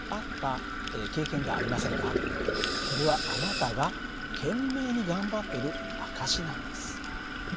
それはあなたが懸命に頑張ってる証しなんです。